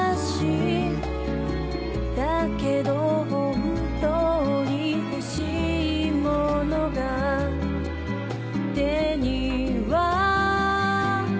「だけど本当に欲しいものが手には入らない」